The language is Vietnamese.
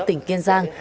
tỉnh kiên giang